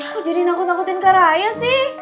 kok jadi nangkut nangkutin karaya sih